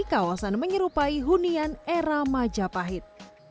kawasan menyerupai hunian era majapahit